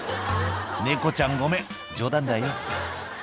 「猫ちゃんごめん冗談だよ」